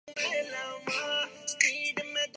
کھڑکی پوری کھلی ہوئی تھی